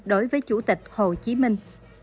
đối với chủ tịch hồ chí minh